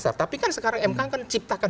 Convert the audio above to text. besar tapi kan sekarang mk kan ciptakan